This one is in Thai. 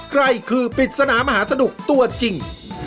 ใครคือปริศนามหาสนุกตัวจริง